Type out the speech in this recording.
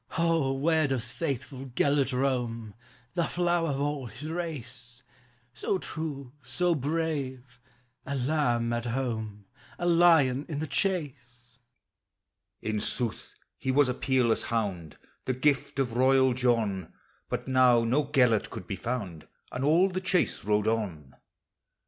"O, where does faithful Gelert roam, The flower of all his race; So true, so brave, — a lamb at home A lion in the chase? " In sooth, he was a peerless hound, The gift of royal John; But now no Gelert could be found, And all the chase rode on.